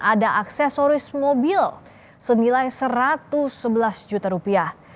ada aksesoris mobil senilai satu ratus sebelas juta rupiah